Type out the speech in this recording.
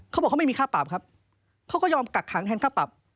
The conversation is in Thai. เขาบอกเขาไม่มีค่าปรับครับเขาก็ยอมกักขังแทนค่าปรับ